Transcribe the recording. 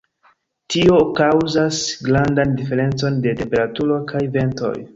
Tio kaŭzas grandan diferencon de temperaturoj kaj ventoj.